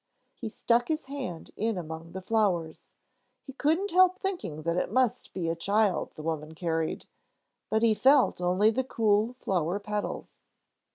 He stuck his hand in among the flowers. He couldn't help thinking that it must be a child the woman carried, but he felt only the cool flower petals.